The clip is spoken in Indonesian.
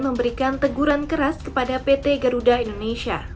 memberikan teguran keras kepada pt garuda indonesia